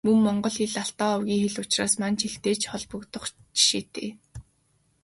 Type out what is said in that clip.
Мөн Монгол хэл Алтай овгийн хэл учраас Манж хэлтэй ч холбогдох жишээтэй.